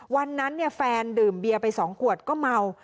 แฟนดื่มเบียร์ไป๒ขวดก็เมา